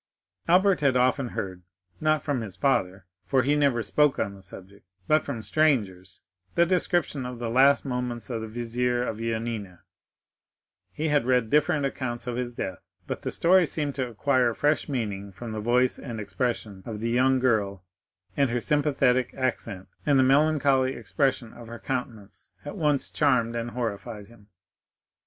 Albert had often heard—not from his father, for he never spoke on the subject, but from strangers—the description of the last moments of the vizier of Yanina; he had read different accounts of his death, but the story seemed to acquire fresh meaning from the voice and expression of the young girl, and her sympathetic accent and the melancholy expression of her countenance at once charmed and horrified him.